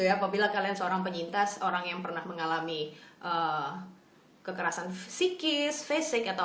apabila kalian seorang penyintas orang yang pernah mengalami kekerasan psikis fisik atau